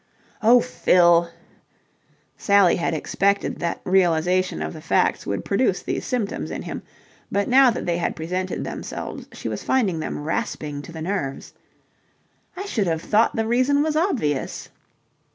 "Oh, Fill!" Sally had expected that realization of the facts would produce these symptoms in him, but now that they had presented themselves she was finding them rasping to the nerves. "I should have thought the reason was obvious."